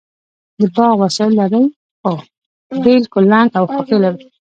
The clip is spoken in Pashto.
د باغ وسایل لرئ؟ هو، بیل، کلنګ او خاښۍ لرم